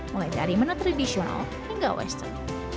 mulai dari menu tradisional hingga western